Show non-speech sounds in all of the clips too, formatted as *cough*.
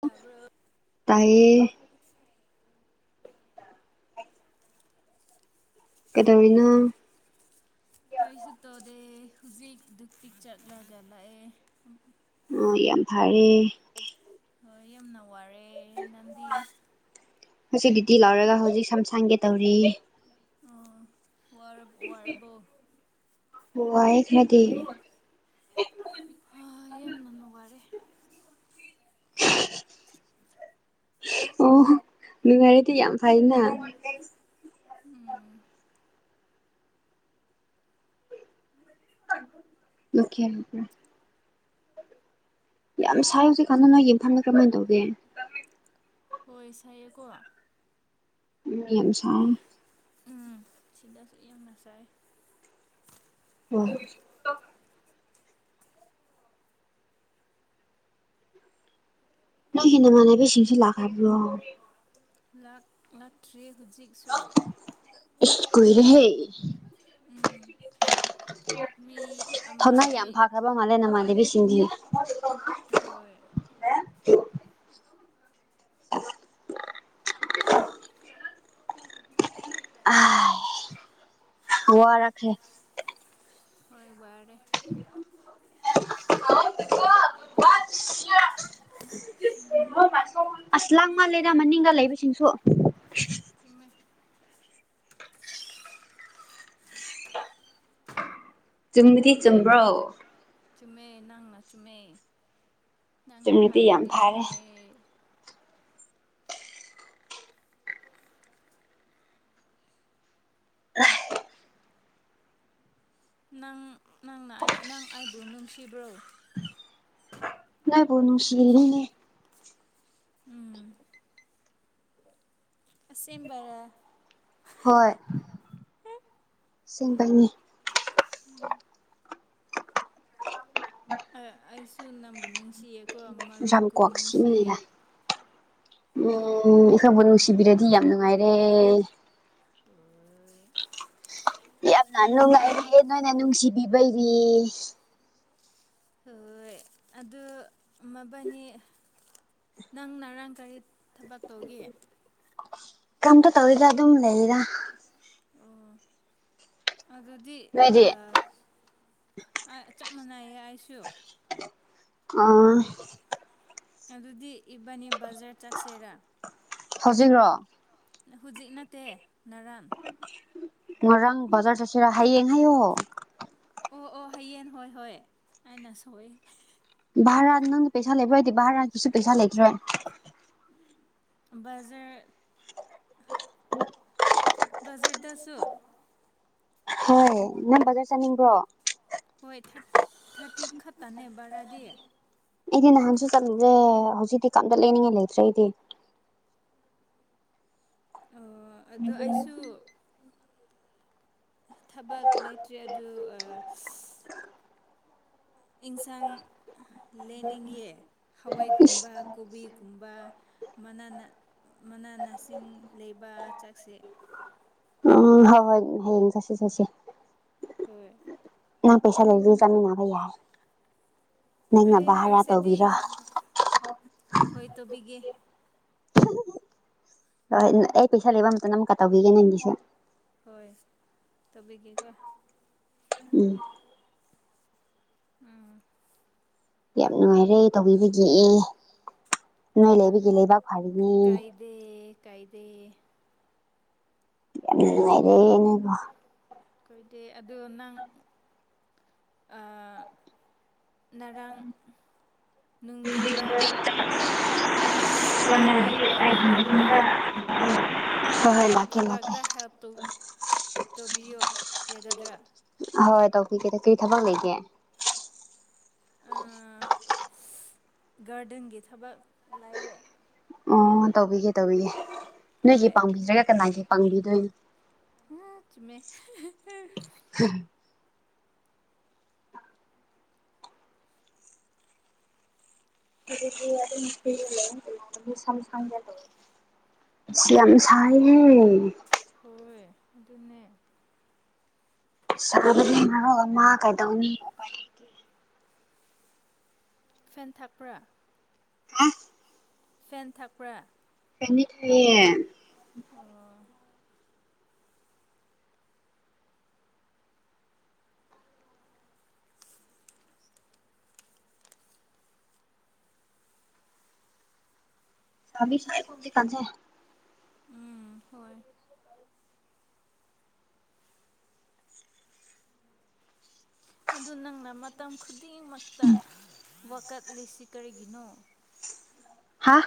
ꯇꯥꯕ꯭ꯔꯣ ꯇꯥꯏꯌꯦ꯫ *inaudible* ꯀꯩꯗꯧꯔꯤꯅꯣ ꯀꯩꯁꯨ ꯇꯧꯗꯦ ꯍꯧꯖꯤꯛ ꯗ꯭ꯌꯨꯇꯤ ꯆꯠꯂꯒ ꯂꯥꯛꯑꯦ ꯅꯪꯗꯤ ꯌꯥꯝ ꯐꯥꯔꯦ ꯍꯣꯏ ꯌꯥꯝꯅ ꯋꯥꯔꯦ ꯅꯪꯗꯤ ꯍꯧꯖꯤꯛ ꯗ꯭ꯌꯨꯇꯤ ꯂꯥꯛꯔꯒ ꯍꯧꯖꯤꯛ ꯁꯝ ꯁꯡꯒꯦ ꯇꯧꯔꯤ꯫ ꯋꯥꯔꯞ ꯋꯥꯔꯕꯣ ꯋꯥꯢꯌꯦ ꯈꯔꯗꯤ ꯑ... ꯌꯝꯅꯅ ꯅꯨꯉꯥꯢꯔꯦ *unintelligible* ꯑꯣꯍꯣ ꯅꯨꯡꯉꯥꯏꯔꯗꯤ ꯌꯥꯝ ꯐꯩꯅ ꯎꯝ ꯅꯣꯈꯦꯝ ꯌꯥꯝ ꯁꯥꯏ ꯍꯧꯖꯤꯛꯀꯥꯟꯗ ꯅꯣꯏ ꯏꯝꯐꯥꯜꯗ ꯀꯔꯃꯥꯏꯟ ꯇꯧꯒꯦ ꯍꯣꯏ ꯁꯥꯏꯌꯦꯀꯣ ꯎꯝ ꯃꯤ ꯌꯥꯝ ꯁꯥꯏ ꯎꯝ ꯁꯤꯗꯁꯨ ꯌꯥꯝꯅ ꯁꯥꯏ ꯑꯣ ꯅꯣꯢꯒꯤ ꯅꯃꯥꯟꯅꯕꯤ ꯁꯤꯡꯁꯤ ꯂꯥꯛꯈ꯭ꯔꯕ꯭ꯔꯣ ꯂꯥꯛ ꯂꯥꯛꯇ꯭ꯔꯤ ꯍꯧꯖꯤꯛꯁꯨ ꯏꯁ ꯀꯨꯢꯔꯦꯍꯦ ꯎꯝ ꯃꯤ ꯑꯃꯗꯤ ꯄ ꯃꯥꯜꯂꯦ ꯅꯃꯥꯟꯅꯕꯤꯁꯤꯡꯗꯤ ꯍꯣꯏ *unintelligible* ꯑꯍꯦ ꯋꯥꯔꯛꯈꯦ ꯍꯣꯏ ꯋꯥꯔꯦ *unintelligible* ꯑꯁ ꯂꯥꯡꯃꯜꯂꯦꯗ ꯃꯅꯤꯡꯗ ꯂꯩꯕꯁꯤꯡꯁꯨ ꯊꯨꯢꯝꯃꯦ ꯆꯨꯝꯕꯗꯤ ꯆꯨꯝꯕ꯭ꯔꯣ ꯆꯨꯝꯃꯦ ꯅꯪꯅ ꯆꯨꯝꯃꯦ ꯅꯪꯅ ꯆꯨꯝꯃꯗꯤ ꯌꯥꯝ ꯍꯥꯏꯔꯗꯤ ꯐꯔꯦ ꯆꯨꯝꯃꯦ ꯅꯪ ꯅꯪꯅ ꯑꯩ ꯅꯪ ꯑꯥꯏꯕꯨ ꯅꯨꯡꯁꯤꯕ꯭ꯔꯣ ꯅꯣꯢꯕꯨ ꯅꯨꯡꯁꯤꯔꯤꯅꯦ ꯎꯝ ꯑꯁꯦꯝꯕꯔ ꯍꯣꯏ ꯁꯦꯡꯕꯩꯅꯤ ꯎꯝ ꯑ ꯑꯩꯁꯨ ꯅꯪꯕꯨ ꯅꯨꯡꯁꯤꯌꯦꯀꯣ ꯌꯥꯝ ꯃꯔꯨꯞꯀꯨꯝ ꯅꯨꯡꯁꯤꯌꯦ ꯀ꯭ꯋꯥꯛꯁꯤꯃꯅꯤꯗ ꯎꯝ ꯑꯩꯈꯣꯏꯕꯨ ꯅꯨꯡꯁꯤꯕꯤꯔꯗꯤ ꯌꯥꯝ ꯅꯨꯡꯉꯥꯏꯔꯦ ꯌꯥꯝꯅ ꯅꯨꯡꯉꯥꯏꯔꯦꯍꯦ ꯅꯣꯏꯅ ꯅꯨꯡꯁꯤꯕꯤꯕꯩꯗꯤ ꯍꯣꯏ ꯑꯗꯨ ꯃꯕꯥꯅꯤ ꯅꯪ ꯅꯔꯥꯡ ꯀꯔꯤ ꯊꯕꯛꯇꯧꯒꯤ ꯀꯝ ꯇ ꯇꯧꯔꯤꯗ ꯑꯗꯨꯝ ꯂꯩꯔꯤꯗ ꯑꯣ, ꯑꯗꯨꯗꯤ ꯅꯣꯏꯗꯤ ꯑ ꯑꯩ ꯆꯞ ꯃꯥꯟꯅꯩꯌꯦ ꯑꯩꯁꯨ ꯑ꯭ꯂꯣ ꯑꯗꯨꯗꯤ ꯏꯕꯥꯅꯤ ꯕꯖꯥꯔ ꯆꯠꯁꯦꯔꯥ ꯍꯧꯖꯤꯛꯔꯣ ꯍꯧꯖꯤꯛ ꯅꯠꯇꯦ ꯅꯔꯥꯟ ꯉꯔꯥꯡ ꯕꯖꯔ ꯆꯠꯁꯤꯔ ꯍꯌꯦꯡ ꯍꯥꯏꯌꯣ ꯑꯣ ꯑꯣ ꯍꯌꯦꯟ ꯍꯣꯏ ꯍꯣꯏ ꯑꯩꯅ ꯁꯣꯏ ꯚꯥꯔꯥ ꯅꯪꯗꯤ ꯄꯩꯁꯥ ꯂꯩꯕ꯭ꯔꯥ ꯑꯩꯗꯤ ꯚꯥꯔꯥꯒꯤꯁꯨ ꯄꯩꯁꯥ ꯂꯩꯇ꯭ꯔꯦ ꯕꯖꯔ ꯕꯖꯦꯠꯗꯁꯨ ꯏꯅꯝꯕꯒ ꯆꯥꯅꯤꯡꯕ꯭ꯔꯣ ꯍꯣꯏ ꯊꯥꯔꯠ ꯊꯥꯔꯇꯤ ꯈꯠꯇꯅꯦ ꯕꯔꯥꯗꯤ ꯑꯩꯗꯤ ꯅꯍꯥꯟꯁꯨ ꯆꯠꯂꯨꯔꯦ ꯍꯧꯖꯤꯛꯇꯤ ꯀꯥꯝꯗ ꯂꯩꯅꯤꯡꯉꯦ ꯂꯩꯇ꯭ꯔ‌ꯦ ꯑꯩꯗꯤ ꯑꯣ, ꯑꯗꯣ ꯑꯩꯁꯨ ꯊꯕꯛ ꯂꯩꯇ꯭ꯔ‌ꯦ ꯑꯗꯨ ꯑ ꯏꯟꯁꯡ ꯂꯩꯅꯤꯡꯉꯤ ꯍꯋꯥꯏꯒꯨꯝꯕ ꯀꯣꯕꯤꯒꯨꯝꯕ ꯃꯅꯥꯅ ꯃꯅꯥ ꯅꯁꯤꯡ ꯂꯩꯕ ꯆꯛꯁꯦ ꯎꯝ ꯍꯣꯏ ꯍꯣꯏ ꯍꯌꯦꯡ ꯆꯠꯁꯦ ꯆꯠꯁꯦ ꯍꯣꯏ ꯅꯪ ꯄꯩꯁꯥ ꯂꯩꯖꯤ ꯆꯠꯃꯤꯟꯅꯕ ꯌꯥꯏ ꯅꯪꯅ ꯑꯩ ꯚꯔꯥ ꯄꯩꯁꯥꯗꯤ ꯇꯧꯕꯤꯔꯣ ꯍꯣꯏ ꯇꯧꯕꯤꯒꯦ ꯍꯣꯏ ꯑꯩ ꯄꯩꯁꯥ ꯂꯩꯕ ꯃꯇꯝꯗ ꯑꯃꯨꯛꯀ ꯇꯧꯕꯤꯒꯦ ꯅꯪꯒꯤꯁꯦ ꯍꯣꯏ ꯇꯧꯕꯤꯒꯦꯀꯣ ꯎꯝ ꯎꯝ ꯌꯥꯝ ꯅꯨꯡꯉꯥꯏꯔꯦ ꯇꯧꯕꯤꯕꯒꯤ ꯅꯣꯏ ꯂꯩꯕꯒꯤ ꯂꯩꯕꯥꯛ ꯐꯔꯤꯅꯦ ꯗ‌ꯦ ꯀꯥꯏꯗ‌ꯦ ꯌꯥꯝꯅ ꯅꯨꯡꯉꯥꯏꯔ‌ꯦ ꯅ‌ꯣꯏꯕ‌ꯣ ꯈ‌ꯣꯏꯗꯦ ꯑꯗꯨ ꯅꯪ ꯑ ꯅꯔꯡ ꯅꯨꯡꯗꯤꯟꯗ ꯆꯪꯉꯗꯤ ꯑꯩꯒꯤ ꯌꯨꯝꯗ ꯂꯥꯛꯑꯣ ꯍꯣꯏ ꯍꯣꯏ ꯑꯩꯒꯤ ꯂꯥꯛꯀꯦ ꯂꯥꯛꯀꯦ ꯊꯕꯛꯇ ꯍꯦꯜꯞ ꯇꯧ ꯇꯧꯕꯤꯌꯣ ꯌꯥꯒꯗ꯭ꯔꯥ ꯑꯍ‌ꯣꯏ ꯇꯧꯕꯤꯒ‌ꯦꯗ ꯀꯔꯤ ꯊꯕꯛ ꯂꯩꯒꯦ ꯑ ꯒꯥꯔꯗꯦꯟꯒꯤ ꯊꯕꯛ ꯂꯩꯌꯦ ꯑꯣ ꯇꯧꯕꯤꯒꯦ ꯇꯧꯕꯤꯒꯦ ꯅꯣꯏꯒꯤ ꯍꯣꯏ ꯄꯥꯡꯕꯤꯗ꯭ꯔꯒ ꯀꯅꯥꯒꯤ ꯄꯥꯡꯕꯤꯗꯣꯏꯅꯣ ꯆꯨꯝꯃꯦ *unintelligible* ꯍꯧꯖꯤꯛꯇꯤ ꯑꯗꯨꯝ ꯐ꯭ꯔꯤꯗ ꯂꯩꯌꯦ *unintelligible* ꯁꯝ ꯁꯡꯒ‌‌ꯦ ꯇꯧꯋ‌ꯦ ꯁ꯭ꯌꯥꯝ ꯁꯥꯏꯍꯦ ꯍꯣꯏ ꯑꯗꯨꯅꯦ ꯁꯥꯕꯒꯤ ꯃꯔꯣꯟ ꯑꯃ ꯀꯩꯗꯧꯅꯤ ꯎꯄꯥꯏ ꯂꯩꯇꯦ ꯐꯦꯟ ꯊꯥꯛꯄ꯭ꯔꯥ ꯍꯥ ꯐꯦꯟ ꯊꯛꯄ꯭ꯔꯥ ꯐ‌ꯦꯟꯗꯤ ꯊꯥꯏꯌ‌ꯦ ꯑꯣ ꯁꯥꯕꯤ ꯁꯥꯏꯀ‌ꯣ ꯍꯧꯖꯤꯛꯀꯥꯟꯁꯦ ꯎꯝ ꯍꯣꯏ ꯑꯗꯨ ꯅꯪꯅ ꯃꯇꯝ ꯈꯨꯗꯤꯡꯃꯛꯇ ꯋꯥꯀꯠꯂꯤꯁꯤ ꯀꯔꯤꯒꯤꯅꯣ ꯍꯥꯥ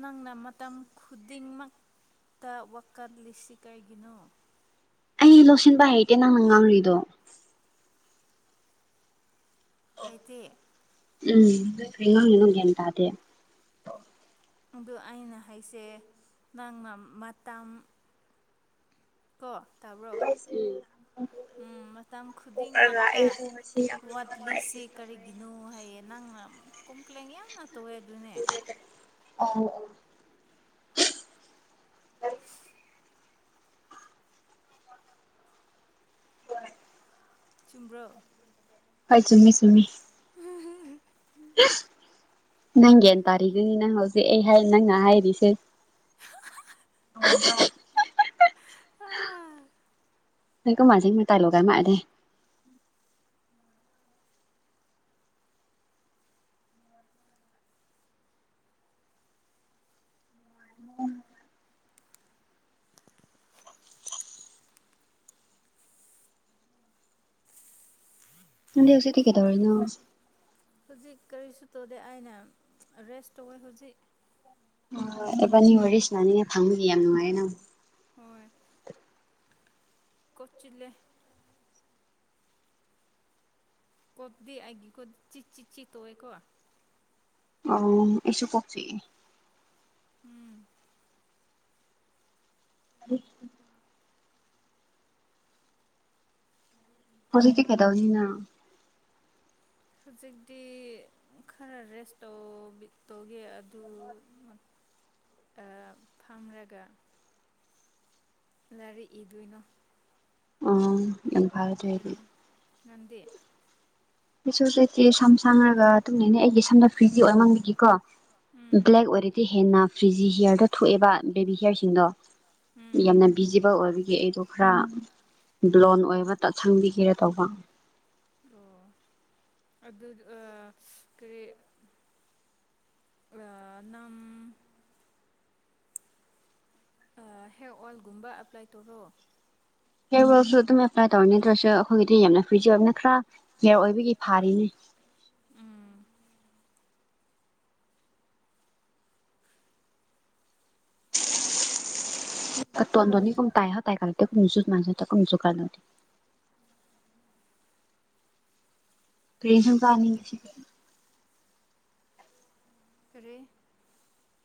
ꯅꯪꯅ ꯃꯇꯝ ꯈꯨꯗꯤꯡꯃꯛꯇ ꯋꯥꯀꯠꯂꯤꯁꯤ ꯀꯔꯤꯒꯤꯅꯣ ꯑꯩ ꯂꯧꯁꯤꯟꯕ ꯍꯩꯇꯦ ꯅꯪꯅ ꯉꯥꯡꯔꯤꯗꯣ ꯍꯩꯇꯦ ꯎꯝ ꯀꯩꯅꯣ ꯅꯪ ꯒꯌ꯭ꯥꯟ ꯇꯥꯗꯦ ꯑꯗꯣ ꯑꯩꯅ ꯍꯥꯏꯁꯦ ꯅꯪꯅ ꯃꯇꯝ ꯀꯣ ꯇꯥꯕ꯭ꯔꯣ *unintelligible* ꯃꯇꯝ ꯈꯨꯗꯤꯡꯃꯛꯇ ꯋꯥꯠꯂꯤꯁꯤ ꯀꯔꯤ ꯒꯤꯅꯣ ꯍꯥꯏꯌꯦ ꯅꯪꯅ ꯀꯝꯄ꯭ꯂꯦꯟ ꯌꯥꯝꯅ ꯇꯧꯋꯦ ꯑꯗꯨꯅꯦ ꯑꯧ ꯆꯨꯝꯕ꯭ꯔꯣ ꯍꯣꯏ ꯆꯨꯝꯃꯤ ꯆꯨꯝꯃꯤ ꯅꯪ ꯒ꯭ꯌꯥꯟ ꯇꯥꯔꯤꯗꯨꯅꯤ ꯅꯪ ꯍꯧꯖꯤꯛ ꯑꯩ ꯅꯪꯅ ꯍꯥꯏꯔꯤꯁꯦ *unintelligible* ꯅꯣꯏ ꯀꯨꯝꯃꯥꯁ ꯃꯇꯥꯂꯣꯒꯥꯏ ꯃꯥ ꯑꯥꯗꯦ ꯅꯪꯗꯤ ꯍꯧꯖꯤꯛꯇꯤ ꯀꯩꯗꯧꯔꯤꯅꯣ ꯍꯧꯖꯤꯛ ꯀꯔꯤꯁꯨ ꯇꯧꯗꯦ ꯑꯩꯅ ꯔꯦꯁ ꯇꯧꯋꯦ ꯍꯧꯖꯤꯛ ꯑꯣꯏ ꯏꯕꯥꯟꯅꯤ ꯋꯥꯔꯤ ꯁꯥꯟꯅꯅꯤ ꯉꯥꯏ ꯐꯪꯕꯗꯤ ꯌꯥꯝ ꯅꯨꯡꯉꯥꯏꯌꯦꯅ ꯍꯣꯏ ꯀꯣꯆꯤꯠꯂꯦ ꯀꯣꯠꯄꯗꯤ ꯑꯩꯏꯒꯤ ꯈꯨꯠ ꯆꯤ ꯆꯤ ꯆꯤ ꯇꯣꯛꯑꯦꯀꯣ ꯑꯧ ꯑꯩꯁꯨ ꯀꯣꯛ ꯆꯤꯛꯏ ꯎꯝ *inaudible* ꯍꯧꯖꯤꯛꯇꯤ ꯀꯩꯗꯧꯔꯤꯅꯣ ꯍꯧꯖꯤꯛꯇꯤ ꯈꯔ ꯔꯦꯁ ꯇꯕꯤ ꯇꯧꯒꯦ ꯑꯗꯨ ꯀ ꯐꯝꯔꯒ ꯂꯥꯏꯔꯤꯛ ꯏꯗꯣꯏꯅꯣ ꯑꯣ ꯌꯥꯝ ꯐꯩ ꯑꯗꯣꯏꯗꯤ ꯎꯝ ꯅꯪꯗꯤ ꯑꯩꯆꯁꯨ ꯁꯨꯇꯤ ꯁꯝ ꯁꯪꯉꯒ ꯇꯨꯝꯃꯤꯅꯤ ꯑꯩꯒꯤ ꯁꯝꯗꯨ ꯐ꯭ꯔꯤꯗꯤ ꯑꯣꯏꯃꯟꯕꯒꯤꯀꯣ ꯎꯝ ꯕ꯭ꯂꯦꯛ ꯑꯣꯏꯔꯗꯤ ꯍꯦꯟꯅ ꯐ꯭ꯔꯤꯖꯤ ꯍꯤꯌꯔꯗꯣ ꯊꯣꯛꯑꯦꯕ ꯕꯦꯕꯤ ꯍꯤꯌꯔꯁꯤꯡꯗꯣ ꯎꯝ ꯌꯥꯝꯅ ꯕꯤꯖꯤ ꯕꯜ ꯑꯣꯏꯒꯤ ꯑꯩꯗꯣ ꯈꯔ ꯕꯣꯂꯟ ꯑꯣꯏꯕ ꯇꯁꯪꯕꯤꯒꯦꯔ ꯇꯧꯕ ꯑꯣ ꯑꯗꯨ ꯑꯥ ꯀꯔꯤ ꯑꯥ ꯅꯝ ꯑꯥ ꯍꯤꯌꯔ ꯑꯣꯜꯒꯨꯝꯕ ꯑꯦꯄ꯭ꯂꯥꯏ ꯇꯧꯔꯣ ꯍꯤꯌꯔ ꯑꯣꯏꯜꯁꯨ ꯑꯗꯨꯝ ꯑꯦꯄ꯭ꯂꯥꯏ ꯇꯧꯅꯤꯗꯁꯨ ꯑꯩꯈꯣꯏꯒꯤꯗꯤ ꯌꯥꯝꯅ ꯐ꯭ꯔꯤꯖꯤ ꯑꯣꯏꯕꯅ ꯈꯔ ꯍꯤꯌꯔ ꯑꯣꯏꯕꯒꯤ ꯐꯥꯔꯤꯅꯤ ꯎꯝ ꯇꯣꯟꯗꯅꯤ ꯀꯨꯝ ꯇꯥꯏꯍ ꯇꯥꯏ ꯀꯥ ꯀꯨꯝꯖꯨ ꯃꯥꯏꯍ ꯀꯨꯝꯖꯒꯥ ꯅꯗꯤ ꯄ꯭ꯔꯦꯁꯟ ꯀꯥꯅꯤꯡ ꯉꯁꯤ ꯀꯔꯤ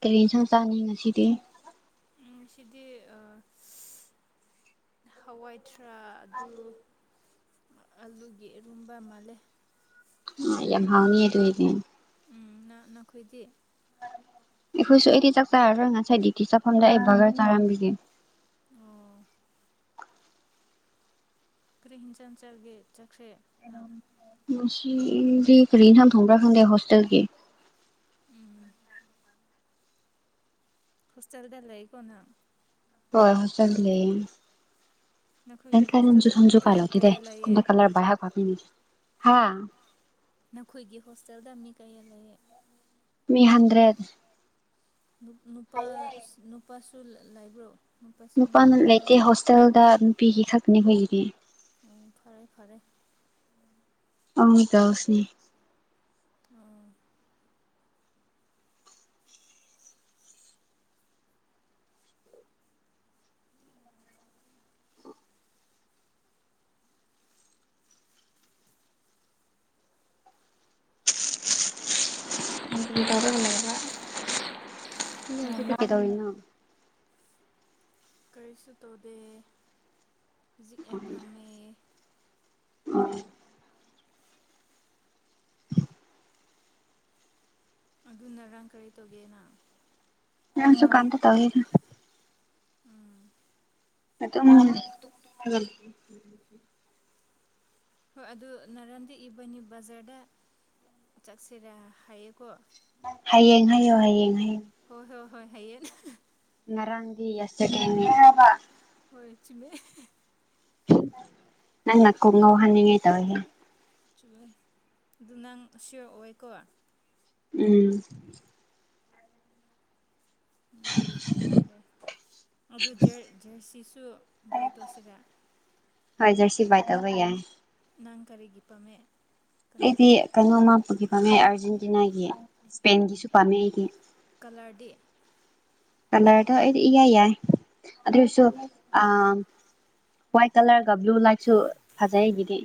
ꯀꯔꯤ ꯏꯟꯁꯥꯡ ꯆꯥꯅꯤ ꯉꯁꯤꯗꯤ ꯉꯁꯤꯗꯤ ꯑꯥ ꯍꯋꯥꯏꯊꯔꯥꯛ ꯑꯗꯨ ꯑꯂꯨꯒꯤ ꯏꯔꯣꯟꯕ ꯃꯥꯜꯂꯦ ꯌꯥꯝ ꯍꯥꯎꯅꯤꯌꯦ ꯑꯗꯣꯏꯗꯤ ꯅꯥ ꯅꯈꯣꯏꯗꯤ ꯑꯩꯈꯣꯏꯁꯨ ꯑꯩꯗꯤ ꯆꯥꯛ ꯆꯥꯔꯔꯣꯏ ꯉꯁꯥꯏ ꯗꯤꯀꯤ ꯆꯥꯐꯝꯗ ꯑꯩ ꯕꯔꯒ꯭ꯔ ꯆꯥꯔꯝꯒꯤꯅꯤ ꯑꯣ ꯀ꯭ꯔꯤ ꯍꯤꯟꯖꯥꯡ ꯆꯥꯒꯦ ꯆꯥꯛꯁꯦ ꯉꯁꯤ ꯀꯔꯤ ꯏꯟꯁꯥꯡ ꯊꯣꯡꯕ꯭ꯔꯥ ꯈꯪꯗꯦ ꯍꯣꯁꯇꯦꯜꯒꯤ ꯎꯝ ꯍꯣꯁꯇꯦꯜꯗ ꯂꯩꯑꯩꯀꯣ ꯅꯪ ꯍꯣꯏ ꯆꯠ ꯂꯦ ꯅꯈꯣꯏꯒꯤ ꯍꯣꯁꯇꯦꯜꯗ ꯃꯤ ꯀꯩ ꯀꯌꯥ ꯂꯩꯌꯦ *unintelligible* ꯍꯥ ꯅꯈꯣꯏꯒꯤ ꯍꯣꯁꯇꯦꯜꯗ ꯃꯤ ꯀꯌꯥ ꯂꯩꯌꯦ ꯃꯤ ꯍꯟꯗ꯭ꯔꯦꯠ ꯅꯨꯄꯥ ꯅꯨꯄꯥꯁꯨ ꯂꯥꯏꯕ꯭ꯔꯣ ꯅꯨꯄꯥꯅ ꯂꯩꯇꯦ ꯍꯣꯁꯇꯦꯜꯗ ꯅꯨꯄꯤꯒꯤ ꯈꯛꯇꯅꯤ ꯍꯈꯣꯏꯒꯤꯗꯤ ꯎꯝ ꯐꯔꯦ ꯐꯔꯦ ꯑꯝ ꯇꯧꯁꯤ ꯑꯣ ꯀꯔꯤ ꯇꯧꯔꯒ ꯂꯩꯕꯔ ꯗꯤ ꯀꯩꯗꯧꯔꯤꯅꯣ ꯀꯔꯤꯁꯨ ꯇꯧꯗꯦ ꯍꯧꯖꯤꯛ ꯑꯦ ꯐꯝꯃꯦ *unintelligible* *inaudible* ꯑꯗꯨꯅꯔꯥꯡ ꯀꯔꯤ ꯇꯧꯒꯦꯅꯪ ꯉꯥꯡꯁꯨ ꯀꯥꯝꯇ ꯇꯧꯗꯦꯗ ꯎꯝ ꯑꯗꯨꯝ ꯍꯟ ꯑꯗꯨꯝ *inaudible* ꯍꯣꯏ ꯑꯗꯨ ꯅꯔꯥꯟꯗꯤ ꯏꯕꯥꯅꯤ ꯕꯖꯥꯔꯗ ꯆꯠꯁꯤꯔ ꯍꯥꯏꯌꯦꯀꯣ ꯍꯌꯦꯡ ꯍꯥꯏꯌꯣ ꯍꯌꯦꯡ ꯍꯥꯏꯌꯨ ꯍꯣꯏ ꯍꯣꯏ ꯍꯣꯏ ꯍꯌꯦꯡ ꯉꯔꯥꯡꯒꯤ ꯌꯥ *unintelligible* ꯍꯣꯏ ꯆꯨꯝꯃꯦ ꯅꯪꯅ ꯀꯣꯛ ꯉꯧꯍꯟꯅꯤꯡꯉꯥꯏ ꯇꯧꯋꯦꯍꯦ ꯆꯦꯟ ꯑꯗꯨ ꯅꯪ ꯁꯤꯌꯣꯔ ꯑꯣꯏꯀꯣ ꯎꯝ ꯎꯝ ꯐꯔꯦ ꯑꯗꯨ ꯖꯔꯁꯤꯁꯨ ꯕꯥꯏ ꯇꯣꯠꯁꯤꯔ ꯍꯣꯏ ꯖꯔꯁꯤ ꯕꯥꯏ ꯇꯧꯕ ꯌꯥꯏ ꯅꯪ ꯀꯔꯤꯒꯤ ꯄꯥꯝꯃꯦ ꯑꯩꯗꯤ ꯀꯩꯅꯣꯃ ꯄꯨꯒꯤ ꯄꯥꯝꯃꯦ ꯑꯥꯔꯖꯦꯟꯇꯤꯅꯥꯒꯤ ꯏꯁꯄꯦꯟꯒꯤꯁꯨ ꯄꯥꯝꯃꯦ ꯑꯩꯗꯤ ꯀꯂꯔꯗꯤ ꯀꯂꯔꯗꯣ ꯑꯩꯗꯤ ꯏꯌꯥꯏ ꯌꯥꯏ ꯑꯗꯨ ꯑꯣꯏꯁꯨ ꯑ ꯋꯥꯏꯠ ꯀꯂꯔꯒ ꯕ꯭ꯂꯨ ꯂꯥꯏꯠꯁꯨ ꯐꯖꯩ ꯑꯩꯒꯤꯗꯤ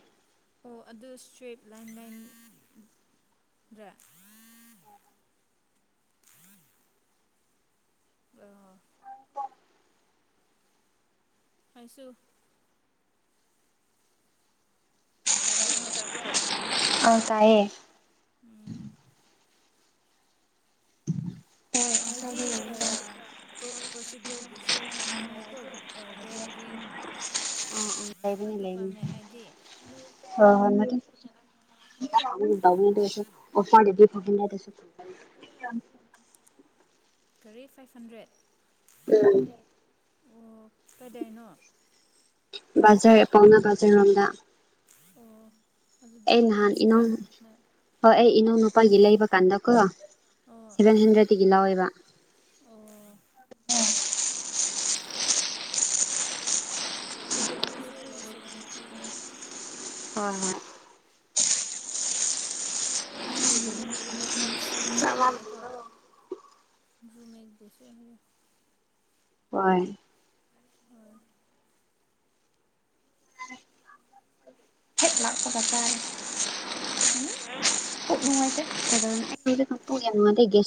ꯑꯣ ꯑꯗꯨ ꯁꯇ꯭ꯋꯔꯤꯞ ꯂꯥꯏꯟ ꯂꯥꯏꯟꯗ꯭ꯔꯦ ꯑ ꯍꯥꯏꯁꯨ ꯇꯥꯕ꯭ꯔꯣ ꯑꯪ ꯇꯥꯏꯌꯦ ꯎꯝ ꯑꯩꯗꯤ ꯑ ꯄꯣ ꯄꯣꯔꯆꯨꯒꯜꯒꯤ ꯁꯔꯠ ꯑꯃ ꯂꯏꯀꯣ ꯔꯦꯠ ꯒꯔꯤꯟ ꯑꯗꯨ ꯄꯥꯝꯃꯦ ꯑꯩꯗꯤ ꯍ ꯍꯃꯗꯤ *unintelligible* ꯀꯌꯥꯝ ꯀꯔꯤꯦ ꯐꯥꯏꯕ ꯍꯟꯗ꯭ꯔꯦꯠ ꯎꯝ ꯀꯩꯗꯩꯅꯣ ꯖꯔ ꯄꯥꯎꯅꯥ ꯕꯖꯔ ꯔꯣꯝꯗ ꯑꯣ ꯑꯗꯨꯗꯤ ꯑꯦ ꯅꯍꯥꯟ ꯏꯅꯣ ꯌꯦꯡꯁꯤꯔꯥ ꯍꯣꯏ ꯑꯩ ꯏꯅꯧ ꯅꯨꯨꯄꯥꯜꯒꯤ ꯂꯩꯕ ꯀꯥꯟꯗꯀꯣ ꯑꯣ ꯁꯦꯚꯦꯟ ꯍꯟꯗ꯭ꯔꯦꯗꯇꯒꯤ ꯂꯥꯎꯋꯦꯕ ꯑꯣ ꯑꯗꯣ ꯑꯩꯈꯣꯏꯁꯨ ꯂꯧꯁꯤꯔꯦ ꯍꯌꯦꯡ ꯍꯣꯏ ꯍꯣꯏ ꯅꯪꯒꯤ ꯔꯨꯝ ꯔꯨꯝꯃꯦꯠꯁꯤꯡꯁꯨ ꯍꯥꯏꯌꯣꯀꯣ ꯔꯨꯝꯃꯦꯛ ꯕꯨꯁꯨ ꯍꯥꯏꯌꯨ ꯍꯣꯏ ꯑꯥꯏ ꯍꯦꯜ ꯂꯥꯛꯄꯒ ꯆꯥꯔꯦ ꯁꯥ ꯄꯨꯛ ꯄꯨꯡꯉꯥꯏꯇꯦ *unintelligible* ꯄꯨꯛ ꯌꯥꯝ ꯅꯨꯡꯉꯥꯏꯇꯦ ꯒꯦꯁ